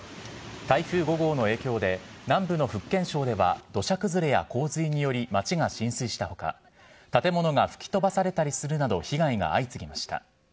台風５号の影響で、南部の福建省では土砂崩れや洪水により町が浸水したほか、建物が吹き飛ばされたりするなど、被害が相次ぎました。